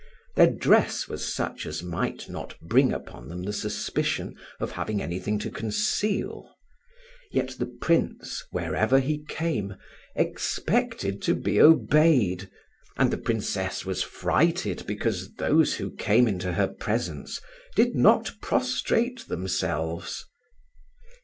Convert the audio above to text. Their dress was such as might not bring upon them the suspicion of having anything to conceal; yet the Prince, wherever he came, expected to be obeyed, and the Princess was frighted because those who came into her presence did not prostrate themselves.